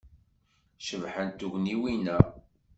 Cebḥent tugniwin-a.